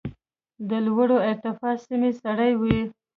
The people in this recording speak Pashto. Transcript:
د لوړې ارتفاع سیمې سړې وي.